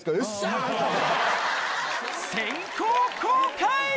先行公開！